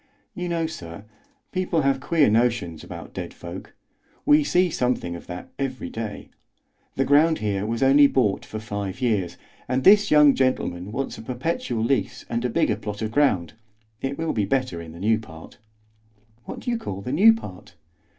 "You know, sir, people have queer notions about dead folk. We see something of that every day. The ground here was only bought for five years, and this young gentleman wants a perpetual lease and a bigger plot of ground; it will be better in the new part." "What do you call the new part?"